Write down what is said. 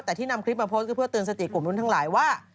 แต่ที่นำคลิปมาโพสต์ก็เพื่อเตือนสติกลุ่มรุ่นทั้งหลายว่า